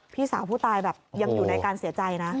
พี่สาวผู้ตายแบบยังอยู่ในการเสียใจนะ